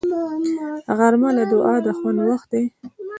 غرمه د دعا د خوند وخت دی